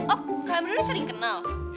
oh kalian berdua sering kenal